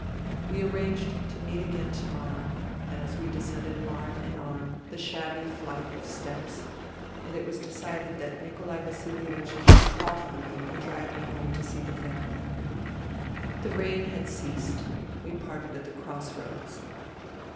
We arranged to meet again to morrow, as we descended arm in arm the shabby flight of steps, and it was decided that Nikolai Vasilievich should call for me and drive me home to see the family. The rain had ceased. We parted at the cross roads.